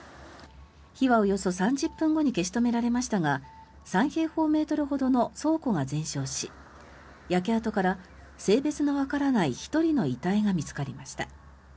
火はおよそ３０分後に消し止められましたが３平方メートルほどの倉庫が全焼し焼け跡から性別のわからない１人の遺体が見つかりました。